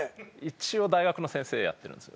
一応大学の先生やってるんです。